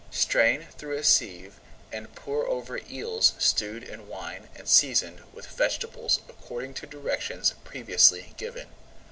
Strain through a sieve and pour over eels stewed in wine and seasoned with vegetables according to directions previously given.